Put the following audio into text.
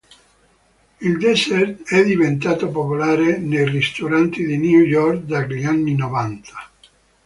Il dessert è diventato popolare nei ristoranti di New York dagli anni novanta.